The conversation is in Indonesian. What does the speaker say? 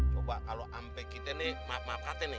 coba kalau sampai kita nih maaf maaf kakak teh nih